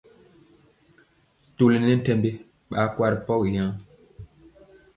Toli nɛ ntɛmbi ɓaa kwa ri pogi yaŋ.